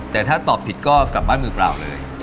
แต่ถ้าตอบผิดก็กลับบ้านมือเปล่าเลย